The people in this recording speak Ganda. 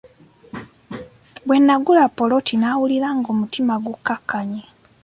Bwe nagula ppoloti nawulira nga omutima gukkakkanye.